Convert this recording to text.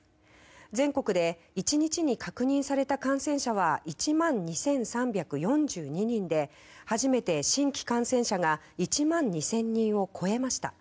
全国で１日に確認された感染者は１万２３４２人で初めて新規感染者が１万２０００人を超えました。